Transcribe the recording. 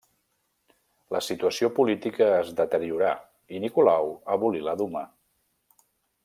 La situació política es deteriorà i Nicolau abolí la Duma.